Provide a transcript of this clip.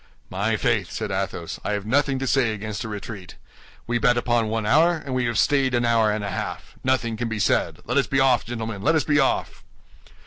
"My faith," said Athos, "I have nothing to say against a retreat. We bet upon one hour, and we have stayed an hour and a half. Nothing can be said; let us be off, gentlemen, let us be off!"